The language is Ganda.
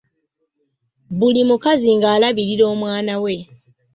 Buli mukazi ng'alabirira omwana we.